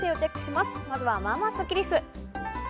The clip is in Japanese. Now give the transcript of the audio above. まずは、まあまあスッキりす。